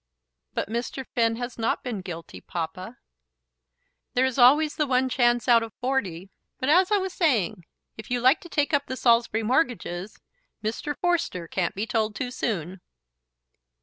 "But Mr. Finn has not been guilty, Papa." "There is always the one chance out of forty. But, as I was saying, if you like to take up the Saulsby mortgages, Mr. Forster can't be told too soon."